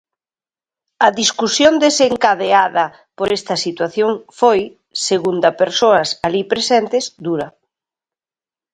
A discusión desencadeada por esta situación foi, segunda persoas alí presentes, dura.